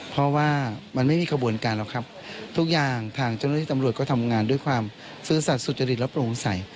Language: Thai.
เพราะว่ามันไม่มีขบวนการหรอกครับทุกอย่างทางเจ้าหน้าที่ตำรวจก็ทำงานด้วยความซื่อสัตว์สุจริตและโปร่งใส